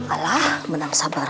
alah menang sabar